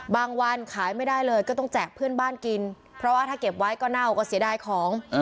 วันขายไม่ได้เลยก็ต้องแจกเพื่อนบ้านกินเพราะว่าถ้าเก็บไว้ก็เน่าก็เสียดายของ